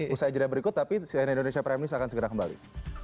usaha agenda berikut tapi selain indonesia prime news akan segera kembali